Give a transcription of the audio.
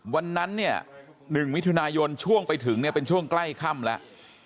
วันนั้นเนี่ย๑มิถุนายนช่วงไปถึงเนี่ยเป็นช่วงใกล้ค่ำแล้ว